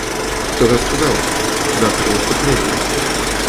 Кто-то сказал: — Завтра наступление.